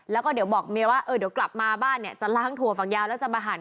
แล้วก็เดี๋ยวบอกเมียว่าเออเดี๋ยวกลับมาบ้านเนี่ยจะล้างถั่วฝักยาวแล้วจะมาหั่น